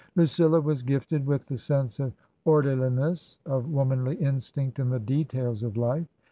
Lucilla was gifted with the sense of orderliness, of womanly instinct in the details of life.